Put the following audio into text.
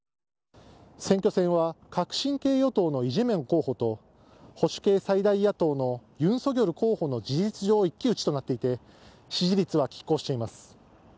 選挙戦は、革新系与党のイ・ジェミョン候補と、保守系最大野党のユン・ソギョル候補の事実上一騎打ちとなっていて、支持率はきっ抗しています。